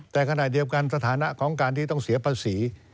แต่ขณะเดียวกันสถานะของการที่ต้องเสียภาษี